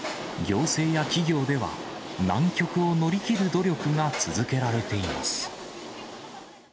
行政や企業では、難局を乗り切る努力が続けられています。